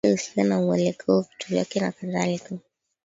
Mpangilio wake usio na muelekeo vitu vyake na kadhalika